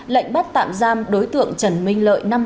lệnh bắt tạm giam đối tượng trần minh lợi